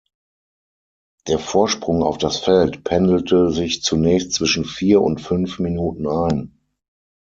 Der Vorsprung auf das Feld pendelte sich zunächst zwischen vier und fünf Minuten ein.